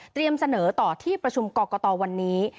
เสนอต่อที่ประชุมกรกตวันนี้